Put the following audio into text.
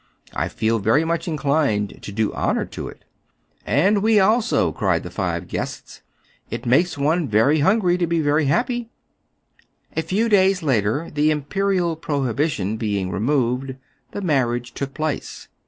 I feel very much inclined to do honor to it." " And we also !" cried the five guests. " It makes one very hungry to be very happy." A few days later, the imperial prohibition being removed, the marriage took place.